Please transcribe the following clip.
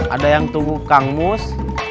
ada yang tubuh kang mus